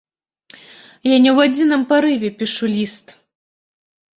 Я не ў адзіным парыве пішу ліст.